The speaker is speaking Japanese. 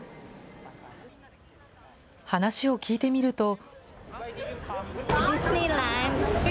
話を聞いてみると。